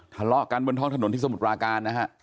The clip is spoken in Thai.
ทะเลาะกันบนท้องถนนที่สมุทรปราการนะฮะ